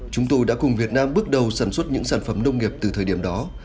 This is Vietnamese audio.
chúng tôi đã cùng việt nam bước đầu sản xuất những sản phẩm nông nghiệp từ thời điểm đó